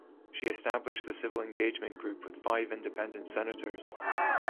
She established the Civil Engagement group with five Independent Senators.